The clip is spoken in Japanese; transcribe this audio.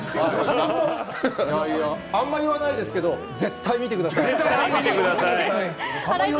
あまり言わないですけれども、絶対に見てください。